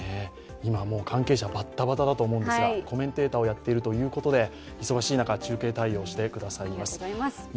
今、関係者、バッタバタだと思うんですがコメンテーターをやっているということで忙しい中、中継対応をしてくださいます。